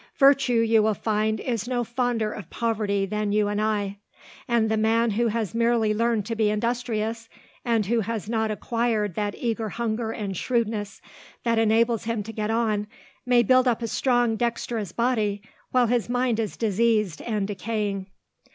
Virtue, you will find, is no fonder of poverty than you and I, and the man who has merely learned to be industrious, and who has not acquired that eager hunger and shrewdness that enables him to get on, may build up a strong dexterous body while his mind is diseased and decaying."